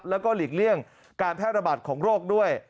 แล้วก็หลีกเลี่ยงการแพร่ระบาดของโรคด้วย